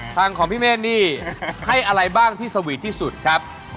ทางของพี่เมฆนี่ให้อะไรบ้างที่สวีทที่สุดครับ